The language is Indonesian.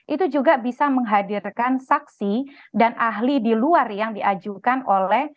itu juga bisa menghadirkan saksi dan ahli di luar yang diajukan oleh